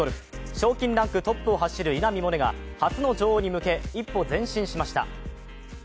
賞金ランクトップを走る稲見萌寧が初の女王に向け一歩前進しました。